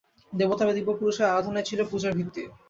দেবতা বা দিব্যপুরুষের আরাধনাই ছিল পূজার ভিত্তি।